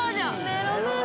メロメロ